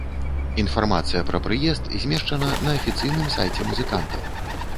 Інфармацыя пра прыезд змешчана на афіцыйным сайце музыкантаў.